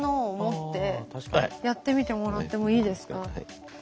やってみてもらってもいいですか？